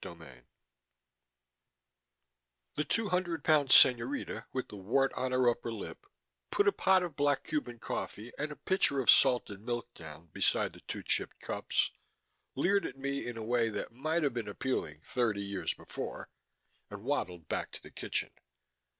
CHAPTER IV The two hundred pound señorita with the wart on her upper lip put a pot of black Cuban coffee and a pitcher of salted milk down beside the two chipped cups, leered at me in a way that might have been appealing thirty years before, and waddled back to the kitchen.